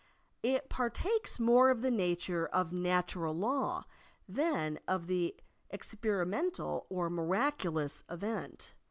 It partakes more of the nature of natural law than of an experi mental or miraculous event.